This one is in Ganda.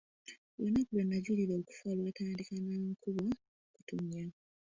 Olunaku lwe najulira okufa lwatandika na nkuba kutonnya.